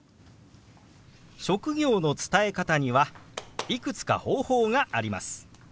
職業の伝え方にはいくつか方法があります。